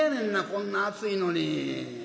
こんな暑いのに。